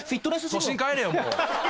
都心帰れよもう。